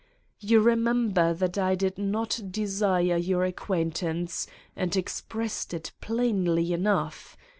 "You remem ber that I did not desire your acquaintance and expressed it plainly enough?